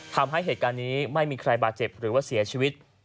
ทำให้เหตุการณ์นี้ไม่มีใครบาดเจ็บหรือว่าเสียชีวิต